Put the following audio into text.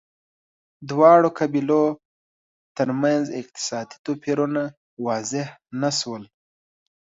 دواړو قبیلو ترمنځ اقتصادي توپیرونه واضح نه شول